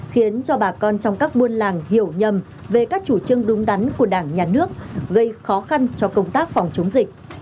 khiến cho bà con trong các buôn làng hiểu nhầm về các chủ trương đúng đắn của đảng nhà nước gây khó khăn cho công tác phòng chống dịch